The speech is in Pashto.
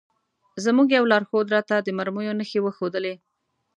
زموږ یوه لارښود راته د مرمیو نښې وښودلې.